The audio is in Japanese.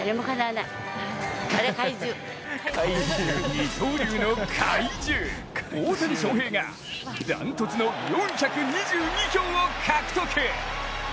二刀流の怪獣・大谷翔平がダントツの４２２票を獲得。